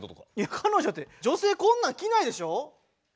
彼女って女性こんなん着ないでしょ？